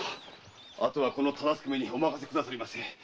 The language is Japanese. あとはこの忠相めにお任せくださいませ。